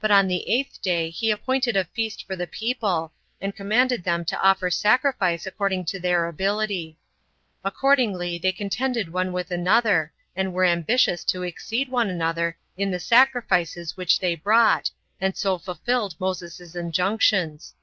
But on the eighth day he appointed a feast for the people, and commanded them to offer sacrifice according to their ability. Accordingly they contended one with another, and were ambitious to exceed each other in the sacrifices which they brought, and so fulfilled Moses's injunctions.